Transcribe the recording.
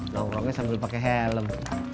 nongkrongnya sambil pakai helm